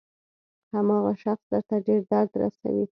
هماغه شخص درته ډېر درد رسوي.